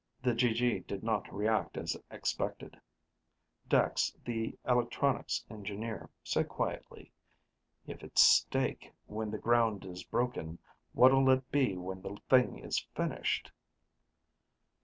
The GG did not react as expected. Dex, the electronics engineer, said quietly, "If it's steak when the ground is broken, what'll it be when the thing is finished?"